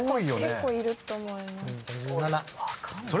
結構いると思います。